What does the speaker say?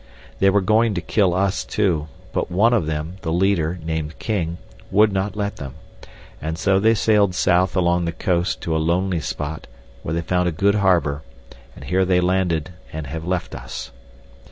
They were going to kill us too, but one of them, the leader, named King, would not let them, and so they sailed south along the coast to a lonely spot where they found a good harbor, and here they landed and have left us.